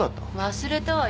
忘れたわよ。